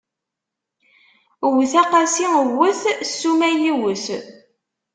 Wwet a qasi wwet, ssuma yiwet!